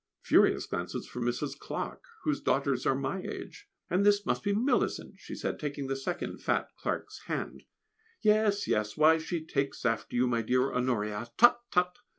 Furious glances from Mrs. Clarke, whose daughters are my age! "And this must be Millicent," she went on, taking the second fat Clark's hand. "Yes, yes; why, she takes after you, my dear Honoria, tut, tut!"